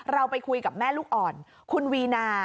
เราไปคุยกับแม่ลูกอ่อนคุณวีนา